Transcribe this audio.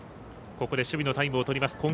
ここで守備のタイムをとります